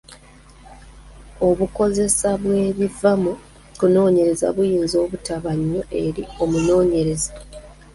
Obukozesa bw’ebiva mu kunooneyereza buyinza obutaba nnyo eri omunoonyereza.